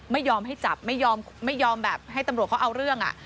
ไม่ยอมให้จับไม่ยอมไม่ยอมแบบให้ตำรวจเขาเอาเรื่อง